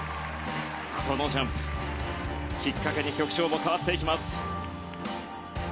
このジャンプきっかけに曲調も変わっていきます。